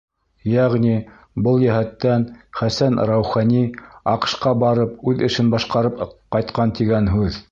Йәғни, был йәһәттән Хәсән Раухони АҠШ-ҡа барып үҙ эшен башҡарып ҡайтҡан тигән һүҙ.